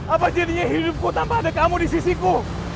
apa jadinya hidupku tanpa ada kamu di sisiku